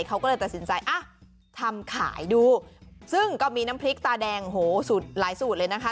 เขาก็เลยตัดสินใจอ่ะทำขายดูซึ่งก็มีน้ำพริกตาแดงโหสูตรหลายสูตรเลยนะคะ